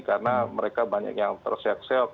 karena mereka banyak yang tersek sek